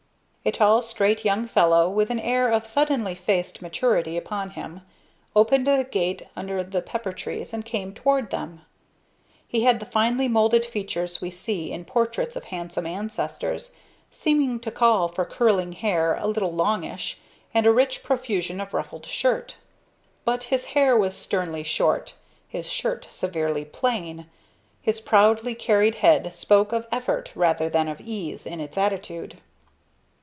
A tall, straight young fellow, with an air of suddenly faced maturity upon him, opened the gate under the pepper trees and came toward them. He had the finely molded features we see in portraits of handsome ancestors, seeming to call for curling hair a little longish, and a rich profusion of ruffled shirt. But his hair was sternly short, his shirt severely plain, his proudly carried head spoke of effort rather than of ease in its attitude.